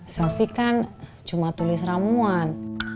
selfie kan cuma tulis ramuan